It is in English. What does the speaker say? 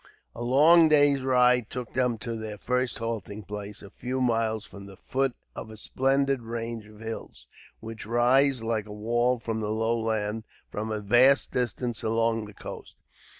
A long day's ride took them to their first halting place, a few miles from the foot of a splendid range of hills, which rise like a wall from the low land, for a vast distance along the coast.